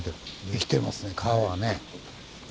生きてますね川はね。